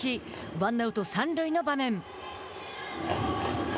ワンアウト、三塁の場面。